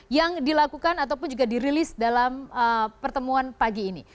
yang dilakukan ataupun juga dirilis dalam pertemuan pagi ini